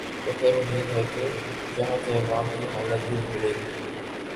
توپھر امید ہے کہ یہاں کے عوام کی حالت بھی بدلے گی۔